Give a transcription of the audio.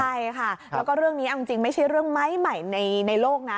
ใช่ค่ะแล้วก็เรื่องนี้เอาจริงไม่ใช่เรื่องไม้ใหม่ในโลกนะ